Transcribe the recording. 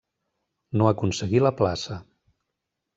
No aconseguí la plaça.